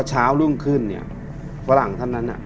พอเช้ารุ่งขึ้นเนี่ยฝรั่งท่านนั้นอ่ะ